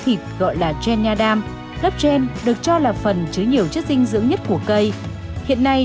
thịt gọi là gen nha đam lớp gen được cho là phần chứa nhiều chất dinh dưỡng nhất của cây hiện nay